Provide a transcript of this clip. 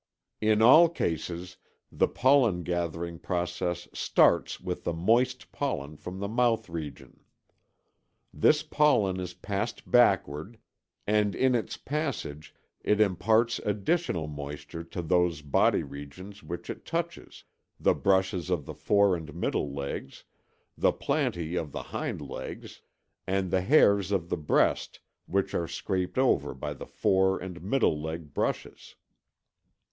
In all cases the pollen gathering process starts with moist pollen from the mouth region. This pollen is passed backward, and in its passage it imparts additional moisture to those body regions which it touches, the brushes of the fore and middle legs, the plantæ of the hind legs, and the hairs of the breast which are scraped over by the fore and middle leg brushes.